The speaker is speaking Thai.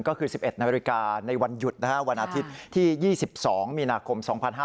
ก็คือ๑๑นาฬิกาในวันหยุดวันอาทิตย์ที่๒๒มีนาคม๒๕๕๙